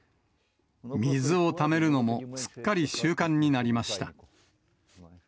水をためるのもすっかり習慣になりました。